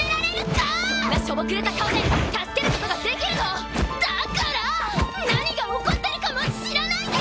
そんなしょぼくれた顔で助けることができるの⁉だから何が起こってるかも知らないで！